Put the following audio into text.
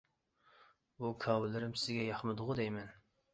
بۇ كاۋىلىرىم سىزگە ياقمىدىغۇ دەيمەن.